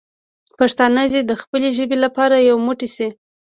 پښتانه دې د خپلې ژبې لپاره یو موټی شي.